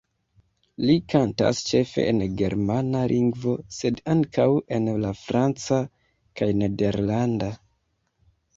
Li kantas ĉefe en germana lingvo, sed ankaŭ en la franca kaj nederlanda.